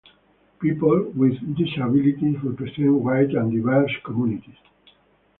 People with disabilities represent wide and diverse communities.